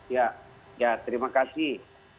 ya ya terima kasih